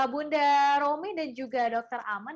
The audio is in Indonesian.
bunda romi dan juga dr aman